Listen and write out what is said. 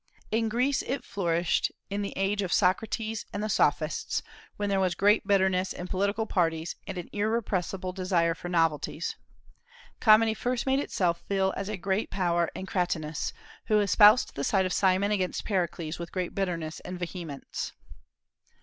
In Greece it flourished in the age of Socrates and the Sophists, when there was great bitterness in political parties and an irrepressible desire for novelties. Comedy first made itself felt as a great power in Cratinus, who espoused the side of Cimon against Pericles with great bitterness and vehemence.